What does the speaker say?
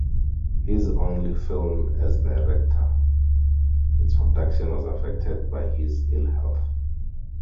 His only film as director, its production was affected by his ill health.